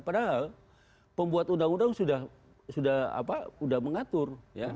padahal pembuat undang undang sudah mengatur